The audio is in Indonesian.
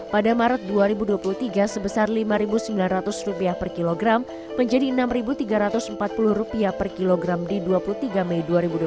pada maret dua ribu dua puluh tiga sebesar rp lima sembilan ratus per kilogram menjadi rp enam tiga ratus empat puluh per kilogram di dua puluh tiga mei dua ribu dua puluh